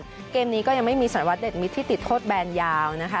เกมนี้ก็ยังไม่มีสารวัตเดชมิตรที่ติดโทษแบนยาวนะคะ